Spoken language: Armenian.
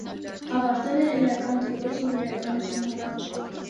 Ավարտել է հրեական դպրոց ու հրեական ուսումնարան։